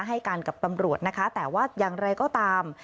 ให้การกับตำรวจนะคะแต่ว่าอย่างไรก็ตาม